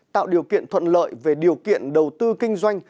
tạo điều kiện thuận lợi về điều kiện đầu tư kinh doanh